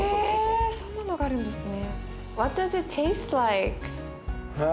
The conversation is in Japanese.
えそんなのがあるんですね。